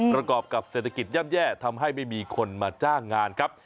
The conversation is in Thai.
ประกอบกับเศรษฐกิจย่ำแย่ทำให้ไม่มีคนมาจ้างงานครับ